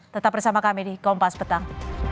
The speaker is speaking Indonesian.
tetap bersama kami di kompas petang